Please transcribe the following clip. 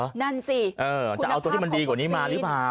นั่นสิคุณภาพของวัคซีนจะเอาตัวที่มันดีกว่านี้มาหรือเปล่า